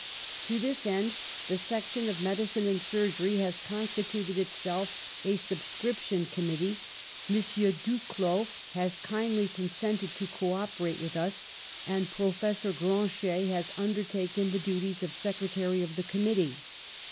"To this end the section of medicine and surgery has constituted itself a subscription committee. M. Duclaux has kindly consented to co operate with us, and Professor Grancher has undertaken the du ties of secretary of the committee.